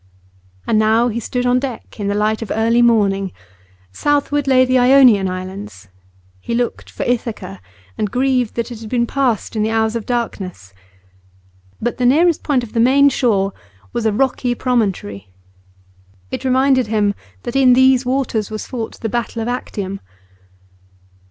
And now he stood on deck in the light of early morning. Southward lay the Ionian Islands; he looked for Ithaca, and grieved that it had been passed in the hours of darkness. But the nearest point of the main shore was a rocky promontory; it reminded him that in these waters was fought the battle of Actium.